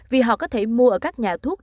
vì họ có thể mua ở các nhà thuốc